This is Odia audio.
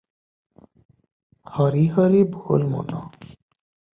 'ହରି ହରି ବୋଲ ମନ' ।